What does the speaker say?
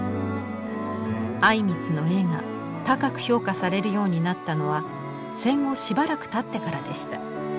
靉光の絵が高く評価されるようになったのは戦後しばらくたってからでした。